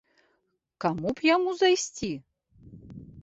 К каму б яму зайсці?